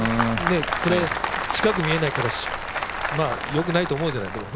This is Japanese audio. これ近く見えないから良くないと思うじゃないですか。